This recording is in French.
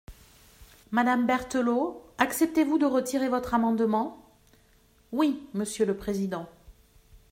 Madame Berthelot, acceptez-vous de retirer votre amendement ? Oui, monsieur le président.